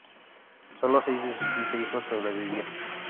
Sólo seis de sus quince hijos sobrevivieron.